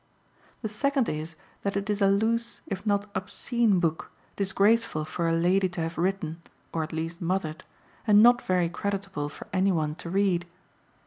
The second is that it is a loose if not obscene book, disgraceful for a lady to have written (or at least mothered), and not very creditable for any one to read.